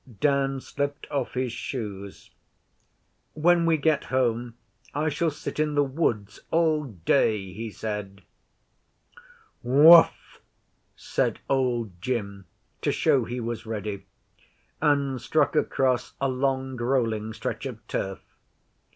Dan slipped off his shoes. 'When we get home I shall sit in the woods all day,' he said. 'Whuff!' said Old Jim, to show he was ready, and struck across a long rolling stretch of turf.